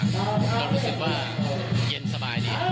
ก็รู้สึกว่าเย็นสบายดี